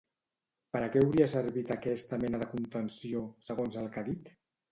Per a què hauria servit aquesta mena de contenció, segons el que ha dit?